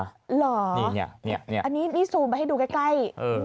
อันนี้นี่ซูมไปให้ดูใกล้